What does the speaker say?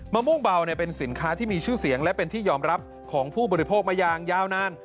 ม่วงเบาเป็นสินค้าที่มีชื่อเสียงและเป็นที่ยอมรับของผู้บริโภคมาอย่างยาวนาน